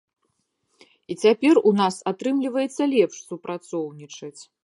І цяпер у нас атрымліваецца лепш супрацоўнічаць.